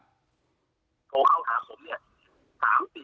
แต่ผมเนี่ยมีแท็กเขาโดนชงคนที่ชื่อตั้งตั้งอะไรอ่ะ